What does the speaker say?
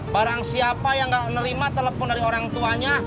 barang siapa yang nggak nerima telepon dari orang tuanya